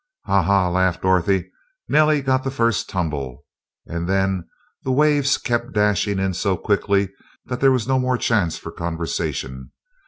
"Ha! ha!" laughed Dorothy, "Nellie got the first tumble." And then the waves kept dashing in so quickly that there was no more chance for conversation.